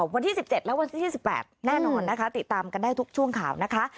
วันที่๑๗และวันที่๒๘แน่นอนนะคะติดตามกันได้ทุกช่วงข่าวนะคะ